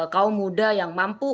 kaum muda yang mampu